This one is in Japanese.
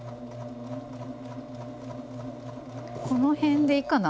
この辺でいいかな？